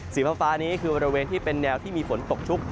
สีฟ้านี้คือบริเวณที่เป็นแนวที่มีฝนตกชุก